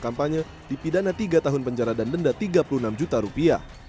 kampanye dipidana tiga tahun penjara dan denda tiga puluh enam juta rupiah